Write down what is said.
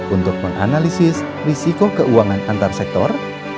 untuk menganalisis risiko keuangan antar sektor